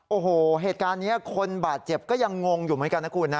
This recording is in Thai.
โอ้โหเหตุการณ์นี้คนบาดเจ็บก็ยังงงอยู่เหมือนกันนะคุณนะ